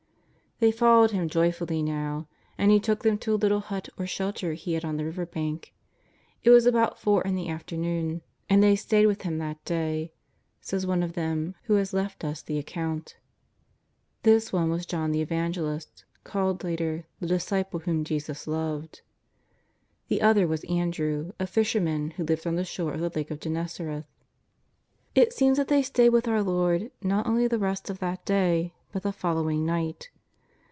They followed Him joyfully now, and He took them to a little hut or shelter He had on the river bank. It was about four in the afternoon, " and they stayed with Him that day," says one of them who has left us the account. This one was John the Evangelist, called later " the Disciple whom Jesus loved." The other was Andrew, a fisherman who lived on the shore of the Lake of Genesareth. It seems that they stayed with our Lord not only the rest of that day but the following night.